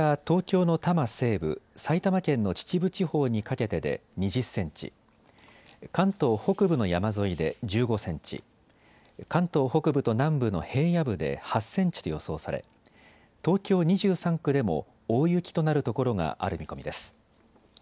東京の多摩西部、埼玉県の秩父地方にかけてで２０センチ、関東北部の山沿いで１５センチ、関東北部と南部の平野部で８センチと予想され東京２３区でも大雪となる所がある見込みです。